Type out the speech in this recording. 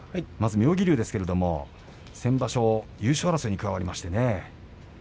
妙義龍ですけれども、先場所優勝争いに加わりましたね。